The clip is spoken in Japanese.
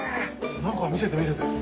中見せて見せて。